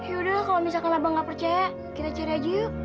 yaudahlah kalau misalkan abang nggak percaya kita cari aja yuk